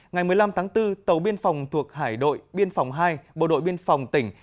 ngày một mươi năm tháng bốn tàu biên phòng thuộc hải đội biên phòng hai bộ đội biên phòng tỉnh